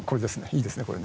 いいですね、これ。